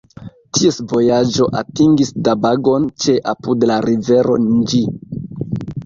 Ties vojaĝo atingis Dabagon ĉe apud la Rivero Nĝi.